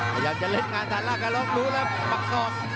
ขยับจะเล่นงานฐานล่ากับอารมณ์ดูแล้วปักส่อง